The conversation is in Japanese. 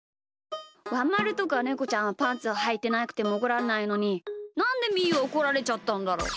ワンまるとかネコちゃんはパンツをはいてなくてもおこられないのになんでみーはおこられちゃったんだろう？